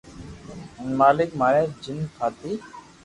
ھي مالڪ ماري جن پھاتي